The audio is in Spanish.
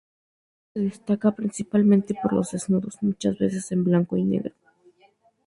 Su obra se destaca principalmente por los desnudos, muchas veces en blanco y negro.